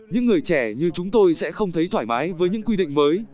những người trẻ như chúng tôi sẽ không thấy thoải mái với những quy định mới